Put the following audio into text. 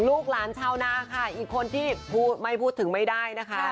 ลูกหลานชาวนาค่ะอีกคนที่ไม่พูดถึงไม่ได้นะคะ